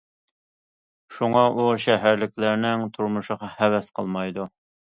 شۇڭا ئۇ شەھەرلىكلەرنىڭ تۇرمۇشىغا ھەۋەس قىلمايدۇ.